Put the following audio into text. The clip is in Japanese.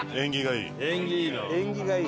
縁起がいい。